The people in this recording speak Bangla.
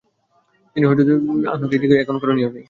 তিনি হযরত যুবাইর রাযিয়াল্লাহু আনহু-কে জিজ্ঞেস করেন, এখন করণীয় কী?